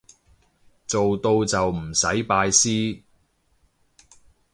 做到就唔使拜師